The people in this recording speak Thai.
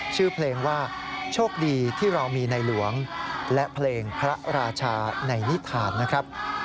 ชื่อเพลงว่าโชคดีที่เรามีในหลวงและเพลงพระราชาในนิทานนะครับ